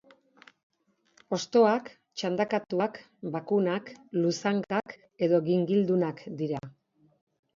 Hostoak txandakatuak, bakunak, luzangak edo gingildunak dira.